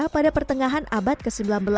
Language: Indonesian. pada pertengahan abad ke sembilan belas